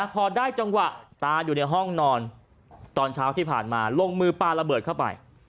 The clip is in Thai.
พอได้จังหวะตาอยู่ในห้องนอนตอนเช้าที่ผ่านมาลงมือปลาระเบิดเข้าไป